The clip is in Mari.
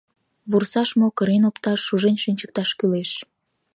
Вурсаш мо, кырен опташ, шужен шинчыкташ кӱлеш!